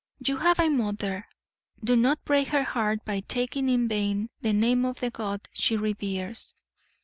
You have a mother. Do not break her heart by taking in vain the name of the God she reveres.'